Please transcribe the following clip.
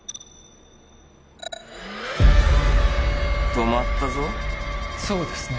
止まったぞそうですね